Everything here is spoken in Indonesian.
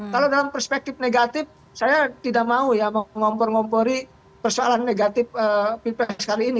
kalau dalam perspektif negatif saya tidak mau ya mengompor ngompori persoalan negatif pps kali ini